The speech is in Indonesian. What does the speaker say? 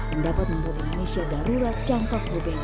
yang dapat membuat indonesia darurat campak rubent